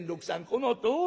このとおりや。